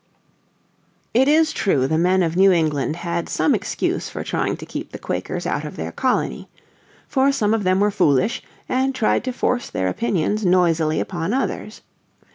It is true the men of New England had some excuse for trying to keep the Quakers out of their colony. For some of them were foolish, and tried to force their opinions noisily upon others.